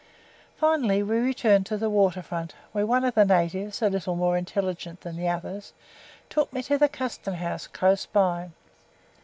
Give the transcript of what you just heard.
Finally we returned to the water front, where one of the natives (a little more intelligent than the others) took me to the Custom House close by.